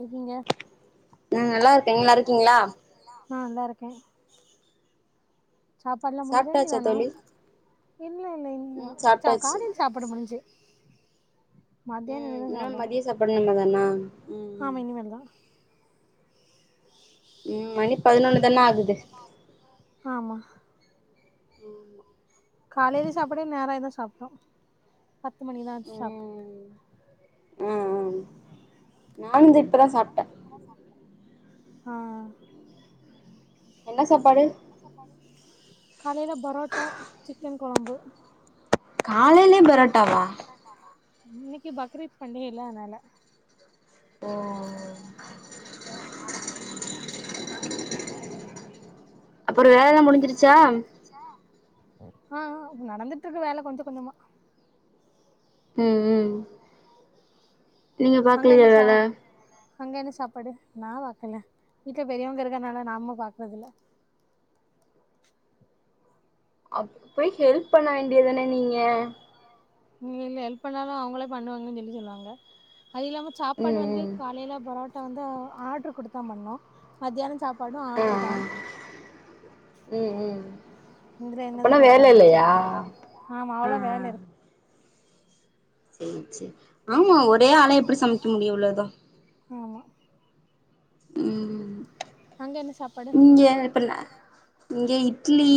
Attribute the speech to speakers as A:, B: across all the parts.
A: இருக்கீங்க
B: நா நல்லா இருக்கே நீங்க நல்லா இருக்கீங்களா
A: ஆ நல்லா இருக்கே சாப்பாடல முடிஞ்ஜா இனிதானா இல்ல இல்ல இனிமே தா ச காலயில சாப்பாடு முடிஞ்சு
B: ம் இன்னும் மதியம் சாப்பாடு இனிமே தானா ம்
A: ஆமா இனிமேல் தான்
B: ம் மணி பதினொன்னு தானை ஆகுது
A: ஆமா காலையில சாப்பாடே நேர ஆயி தா சாப்புட்டோ பத்து மணி தான் சாப்
B: ம்ம்ம் மஞ்சு இப்பதா சாப்ட்டா
A: ஆ
B: என்ன சாப்பாடு
A: காலயில பரோட்டா சிக்கன் கொழம்பு
B: காலையிலே
A: இன்னைக்கு பக்ரீத் பண்டிகைல்ல அதனால
B: ஓ அப்புற வேலை எல்லா முடிஞ்சிருச்சா
A: ஆ நடந்துட்டு இருக்கு வேலை கொஞ்சம் கொஞ்சமா
B: ம் ம்
A: அங்க என்ன சா அங்க என்ன சாப்பாடு நா வாக்கல்ல வீட்ல பெரியவங்க இருக்கறனால நம்ம பாக்குறதுல்ல
B: அ போய் ஹெல்ப் பண்ண வேண்டியதுதான நீங்க
A: நீ இங்க ஹெல்ப் பண்ணாலும் அவுங்களே பண்ணுவாங்கன்னு சொல்லி சொல்லுவாங்க அது இல்லாம சாப்பாடு வந்து காலையில புரோட்டா வந்து ஆ ஆர்ட்ரு குடுத்தா பண்ணோ மத்தியானோம் சாப்பாடு ஆர்ட்ரு தா
B: உம் உம் அப்பனா வேல இல்லயா
A: ஆமா அவ்ளோ வேல இருக்
B: சேரி சேரி ஆமா ஒரே ஆளே எப்டி சமைக்க முடியும் இவ்ளதோ
A: ஆமா
B: உம் இங்க இப்ப நா இங்க இட்லி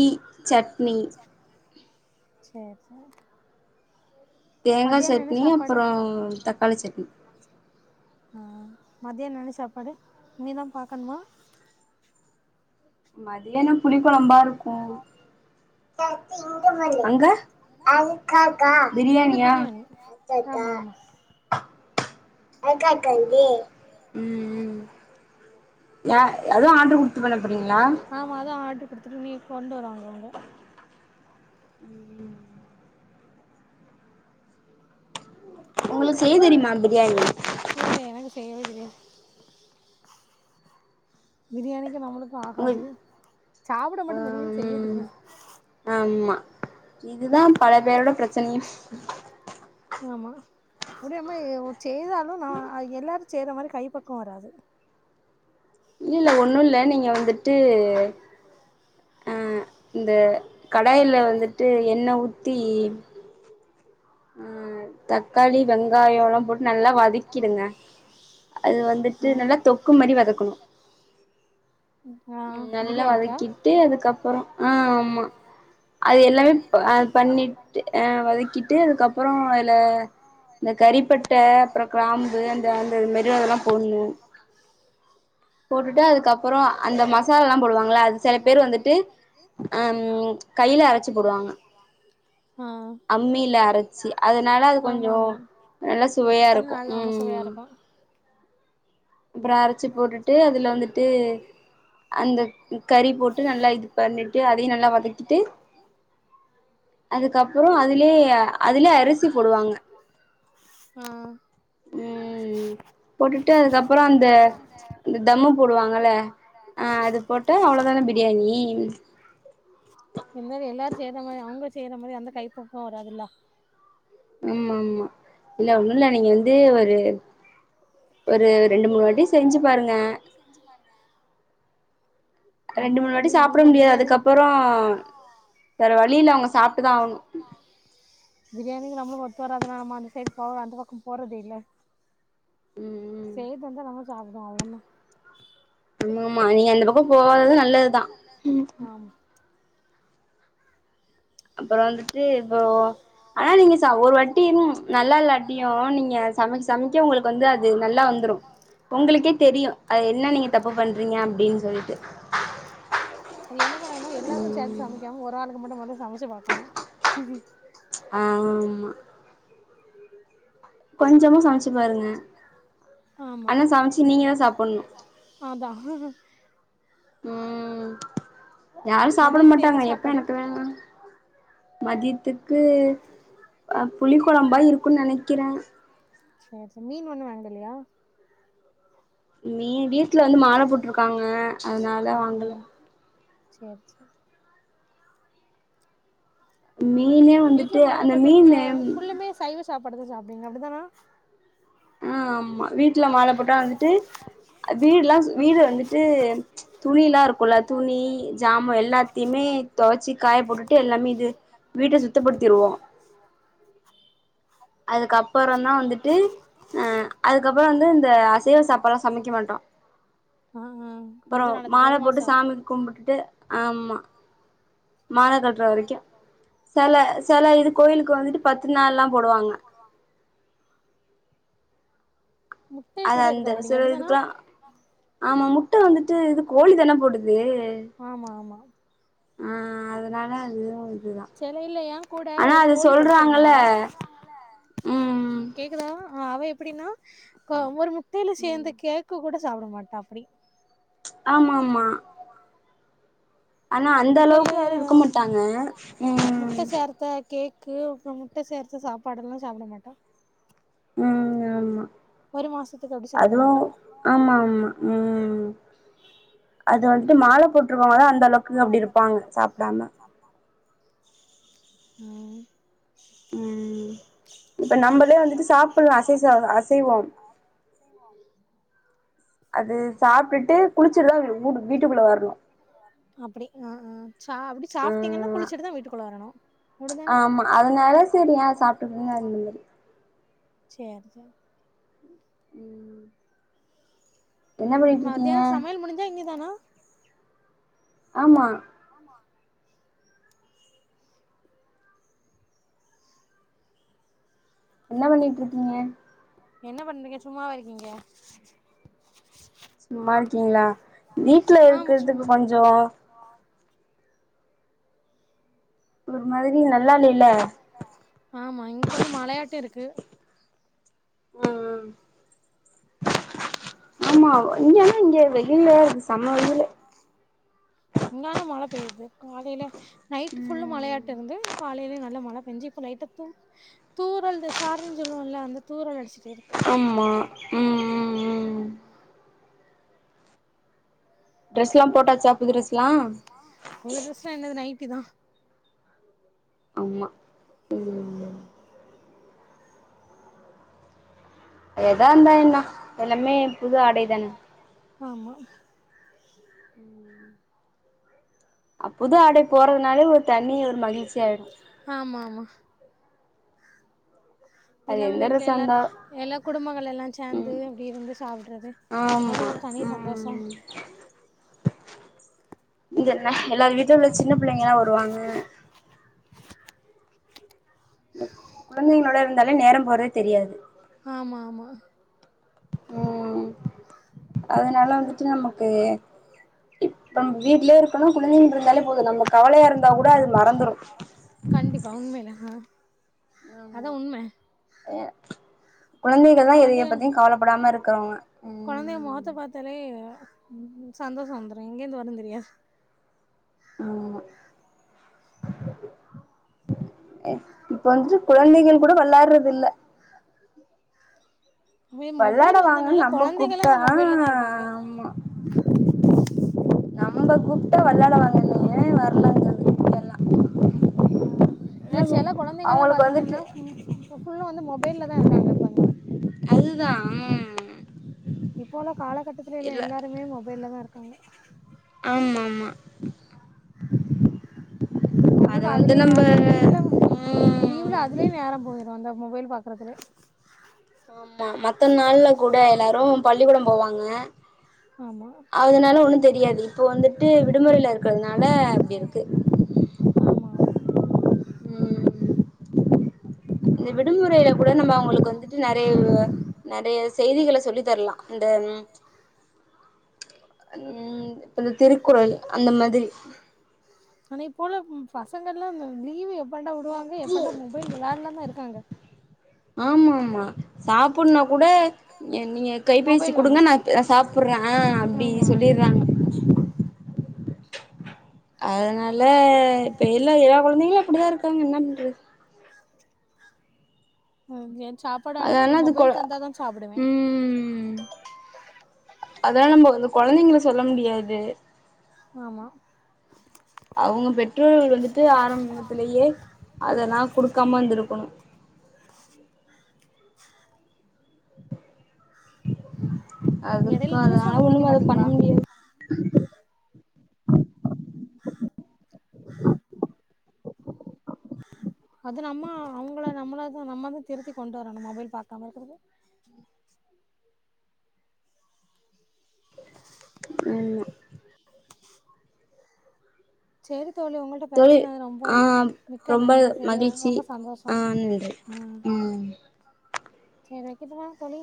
B: சட்னி
A: சேர் சேர்
B: தேங்கா சட்னியு அப்றோம் தக்காளி சட்னி
A: ஆ மதியோம் என்னென்ன சாப்பாடு இனிமே தா பாக்கணுமா
B: மதியானம் புளிக்குழம்பா இருக்கும் அங்க பிரியாணியா
A: ஆமா ஆமா
B: [unintelligible] உம்ம் ஏ
A: ஆமா அதா ஆர்ட்ரு குடுத்துருக்கு இன்னைக்கு கொண்டு வருவாங்க இவுங்க
B: உம்ம்
A: உங்களுக்கு செய்ய தெரியுமா பிரியாணி இல்ல எனக்கு செய்யவே தெரியாது பிரியாணிக்கும் நம்மளுக்கும் ஆகாது சாப்புட மட்டும் தெரியும் செய்ய தெரியாது
B: இதுதா பல பேரோட பிரச்சனையு
A: ஆமா முடியாம அ செய்தாலும் அ நா எல்லாரும் செய்ற மாதிரி கைப்பக்குவம் வராது
B: இல்ல ஒன்னு இல்ல நீங்க வந்துட்டு உம் இந்த கடாயில வந்துட்டு எண்ண ஊத்தி உம் தக்காளி வெங்காயம்ல்லாம் போட்டு நல்லா வதக்கிடுங்க அது வந்துட்டு நல்லா தொக்கு மாரி வதக்கணும் உம் நல்லா வதக்கிட்டு அதுக்கப்புறோம் ஆ ஆமா அது எல்லாமே அ பண்ணிட்டு அ வதக்கிட்டு அதுக்கப்புறோம் அதுல இந்த கறிப்பட்டை அப்புறோ கிராம்பு அந்த அந்த இது மாரியெல்லாம் அதுல போடணும் போட்டுட்டு அதுக்கப்புறோ அந்த மசால் எல்லாம் போடுவாங்கள அது சில பேர் வந்துட்டு அம் கையில அரச்சு போடுவாங்க
A: உம்
B: அம்மில அரச்சு அதுனால நல்லா சுவையா இருக்கும் உம் அப்றோ அர் சி போட்டுட்டு அதுல வந்துட்டு அந்த கறி போட்டு நல்லா இது பண்ணி ட்டு அதையு நல்லா வதக்கிட்டு அதுக்கப்றோ அதுலயே அதுலயே அரிசி போடுவாங்க
A: ஆ
B: போட்டுட்டு அதுக்கப்புறோ அந்த அந்த தம் போடுவாங்கல்ல ஆ அது போட்டாஅவ்ளோதான பிரியாணி
A: இருந்தாலும் எல்லாரும் செய்ற மாதிரி அவுங்க செய்ற மாதிரி அந்த கைப்பக்குவம்வராதுல்ல
B: அம்மா ஆம்மா இல்ல ஒண்ணுல்ல நீங்க வந்து ஒரு ஒரு ரெண்டு மூணுவாட்டி செஞ்சுப்பாருங்க
A: ம் செஞ்சுபாருங்க
B: ரெண்டு மூணுவாட்டி சாப்புடமுடியாது அதுக்கப்பற வேற வழியில்ல அவுங்க சாப்ட்டுதா ஆவுணு
A: பிரியாணிக்கு நம்மள ஒத்து வராதுனா நம்ம அந்த செடு போ அந்த பக்க போறதே இல்ல செய்துதந்தா நம்மளு சாப்புடுவோ அவ்ளோதா
B: அம்ம ஆம்மா நீங்க அந்த பக்கொ போவாதது நல்லதுதா அப்பற வந்துட்டு இப்போ ஆனா நீங்க ச ஒருவட்டியும் நல்லால்லாட்டியு நீங்க சமை சமைக்க உங்களுக்கு வந்து அது நல்லா வந்துரு உங்களுக்கே தெரியு அது என்ன நீங்க தப்புபண்றீங்க அப்புடின் சொல்ட்டு
A: அது என்ன பண்ணணு எல்லாருக்கு சேத் சமைக்காம ஒரு ஆளுக்கு மட்டு மட்டு சமைச்சு பாக்கணு
B: ஆம்மா கொஞ்சமு
A: ஆம்மா அதா
B: ம் யாரு சாப்புட மாட்டாங்க எப்ப எனக்கு வேணுன் மதியத்துக்கு அ புளி கொழம்பா இருக்குன் நெனைக்கிற
A: செர் செ மீன்ஒண்ணு வாங்கலையா
B: மீ வீட்ல வந்து மால போட்ருக்காங்க அதுனால வாங்கல
A: செர் செர் வீட்ல மால போட்ட நீங்க ஃபுல்லுமே சைவ சாப்பாடுதா சாப்டுவீங்க அப்டிதன
B: ஆ ஆம்மா வீட்டுல மால போட்டா வந்துட்டு வீட்ல்லா வீடு வந்துட்டு துணில்லா இருக்குல்ல துணி ஜாம எல்லாத்தையுமே தொவெச்சு காய போட்டுட்டு எல்லாமே இது வீட்ட சுத்தப்படுத்திருவோ
A: சிறுவோ
B: அதுக்கப்பறோந்தா வந்துட்டு அ அதுக்கப்பறோ வந்து இந்த அசைவ சாப்பால்லா சமைக்கமாட்டோ
A: அ ஆ கொஞ்சொ நாலத்துக் ஒரு மாசோ
B: கும்புட்டுட்டு ஆம்மா மால கல்ட்டுற வரைக்கு செல செல இது கோயிலுக்கு வந்துட்டு பத்து நாள்லா போடுவாங்க அது அந்த சில இதுக்ல்லா ஆம்மா முட்ட வந்துட்டு இது கோழி தான போடுது ஆ அதுனால அதுவுஇதுதா ஆனா அது சொல்றாங்கல்ல
A: கேக்குதா ஆ அவ எப்டின்னா க ஒரு முட்டயில சேந்த கே க்குகூட சாப்புட மாட்டா அப்புடி
B: ஆம்மாஆம்மா ஆனா அந்த அளவுக்கு யாரு இருக்க மாட்டாங்க ம்
A: முட்ட கேக்கு அப்பறோ முட்ட சேர்த்த சாப்பாடெல்லா சாப்ட மாட்டா
B: ம் ஆம்மா
A: ஒரு மாசத்துக் அப்டி சாப்டமாட்டா
B: ஆமாம்ஆம்மா ம் அது வந்துட்டு மால போட்ருகொங்கல அந்த அளவுக்கு அப்டி இருப்பாங்க சாப்டாம
A: ம்
B: ம் இப்ப நம்பளே வந்துட்டு சாப்பல்லா அசைசா அசைவொ அது சாப்ட்டுட்டு குளிச்சுட்டுதா ஊட்டு வீட்டுக்குள்ள வர்ணு
A: அப்டி அ அ ச்சா உட்டி சாப்ட்டீங்கன்னா குளிச்சிட்டுதா வீட்டுக்குள்ள வரணு முடிஞ்சனா ஆமா அதனால செரி சா செர் செரி
B: ம்
A: மதியானு சமையல் முடிஞ்சா இனி தானா
B: ஆமா
A: ஆமா
B: என்ன பண்ணிட்டு இருக்கீங்க
A: என்ன பண்றீங்க சும்மாவா இருக்கீங்க
B: சும்மா இருக்கீங்களா வீட்ல இருக்கிறதுக்கு கொஞ்சோ
A: [unintelligible]
B: ஒரு மாரி நல்லா இல்லெல்ல
A: ஆமா இங்க கொஞ்சோ மழையாட்டு இருக்கு
B: ம் ம் ஆமா இங்கன்னா இங்க வெயிலாருக்கு சம்ம வெயிலு
A: இங்கான மழை பெய்து காலில நைட் ஃபுல்ல மழையாட் ட்டுருந்து காலைலயே நல்ல மழ பெஞ்சு இப்ப லைட்டா த்து தூரல் இந்த சாரல் சொல்லுவோம்ல அந்த தூறல் அடிச்சிட்டு இருக்கு
B: அம்மா ம் டிரெஸ்ல்லா போட்டாச்சா புது டிரெஸ்ல்லா
A: புது ட்ரெஸ்லாம் என்னது நைட்டி தான்
B: ஆமா ம் எதா இருந்தா என்ன எல்லாமே புது ஆடைதானே
A: ஆமா
B: அப் புது ஆடை போறதுனாலே ஒரு தணி ஒரு மகிழ்ச்சி ஆயிடும்
A: ஆமா ஆமா இது இல்லாம வீட்ல எல்லாரும் எல்லா குடும்பங்கள் எல்லாம் சேந்து அப்டி இருந்து சாப்டுறது அது ஒரு தனி சந்தோஷோ
B: இங்க என்ன எல்லார் வீட்ல உள்ள சின்ன பிள்ளைங்க எல்லா வருவாங்க இந்த குழந்தைகளோட இருந்தாலே நேரம் போறதே தெரியாது ம் அதனால வந்துட்டு நமக்கு இப்பம் வீட்லேயே இருக்கனும் குழந்தைங்க இருந்தாலே போதும் நம்ம கவலையா இருந்தா கூட அது மறந்துரும்
A: கண்டிப்பா உண்மையிலே
B: ஆமா ஏ குழந்தைக தான் எதைய பத்தியும் கவலப்படாம இருக்கிறவங்க ம்
A: கொள்ந்தக்க மொத்த பாத்தாலே சந்தோஷம் வந்துரும்ன் எங்கேருந்து வரும் தெரியாது
B: ஆமா இப்ப வந்துட்டு குழந்தைகள் கூட விளாயடுறது இல்ல
A: மொபைல் வந்தனால குழந்தைகளும் அந்த மொபைல்ல தான் இருக்காங்க
B: நம்ப கூப்ட்டா விளாட வாங்க ஏன் வரலாம்னு சொல்லாம்
A: ஆ இல்ல சில குழந்தைக எல்லாம் பாத்தீங்கன்னா ஃபுல்லா வந்து மொபைல்ல தான் இருக்காங்க இப்பல்லா
B: அதுதான் ம்
A: இப்பயுள்ள காலகட்டத்துல எ எல்லாருமே மொபைல்ல தான் இருக்காங்க
B: ஆமா ஆமா அத வந்து நம்ப ம்
A: லீவ்ல அதுலே நேரம் போய்ரு அந்த மொபைல் பாக்கறதுலே
B: ஆமா மத்த நாள்ல கூட எல்லாரு பள்ளிக்கூடோ போவாங்க அதுனால ஒன்னு தெரியாது இப்போ வந்துட்டு விடுமுறைல இருக்கற்துனால அப்டி இருக்கு
A: ஆமாமா
B: ம் இந்த விடுமுறைல கூட நம்ம அவுங்களுக் வந்துட்டு நெறைய வ நெறைய செய்திகள சொல்லி தரலா இந்த
A: [unintelligible]
B: ம் ப்ப இந்த திருக்குறள் அந்த மாதிரி
A: ஆனா இப்ப உள்ள பசங்க எல்லா இந்த லீவு எப்பன்டா உடுவாங்க எப்பன்டா மொபைல் விளாட்லான் தா இருக்காங்க
B: ஆமாமா சாப்புட்னா கூட அ நீங்க கைபேசி குடுங்க நா அ சாப் புட்றே அப்டி சொல்லீர்றாங்க அதுனால இப்ப இல்ல எல்லா கொழந்தைங்களு அப்பிடிதா இருக்காங்க என்ன பண்றது
A: அவுங் ஏ சாப்பாட்
B: அதனால அது கொழ ம் அதனால் நம்ம வந்து கொழந்தைங்கள சொல்ல முடியாது
A: ஆமா
B: அவுங்க பெற்றோர்கள் வந்துட்டு ஆரம்பத்துலயே அதெல்லா குடுக்காம இந்திருக்கணு அதுக்கு அதுனால ஒன்னுமே அத பண்ண முடியாது
A: [unintelligible] அது நம்ம அவுங்கள நம்மளா தா நம்ம தா திருத்தி கொண்டு வரணு மொபைல் பாக்காம இருக்கறது
B: ஆமா
A: சேரி தோழி உங்கள்ட்ட பேஸ்னது ரொம்போ மிக்க நன்றி செரியா ரொம்ப சந்தோஷோ ஆ சேரி வெக்கட்டுமா தோழி